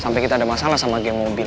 sampai kita ada masalah sama geng mobil